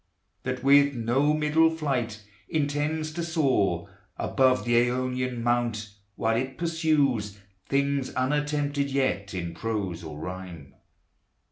That with no middle flight intends to soar Above the Aonian mount, while it pursues Things unattempted yet in prose or rhyme.